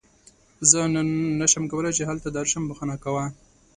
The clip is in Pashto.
زه نن نشم کولی چې هلته درشم، بښنه کوه.